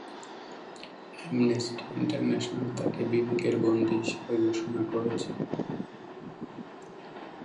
Amnesty International তাকে বিবেকের বন্দী হিসেবে ঘোষণা করেছে।